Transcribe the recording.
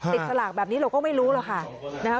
ติดสระแบบนี้เราก็ไม่รู้หรอกค่ะ